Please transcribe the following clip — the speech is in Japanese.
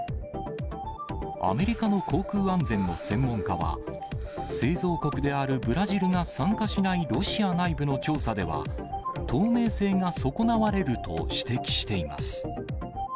アメリカの航空安全の専門家は、製造国であるブラジルが参加しないロシア内部の調査では、透明性が損なわれると指摘しています。